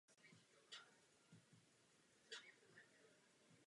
Ke konzultaci je potom dvojicí fyziků přizván paleontolog Julian Whitney.